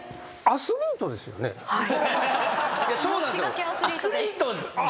アスリートじゃないですよね。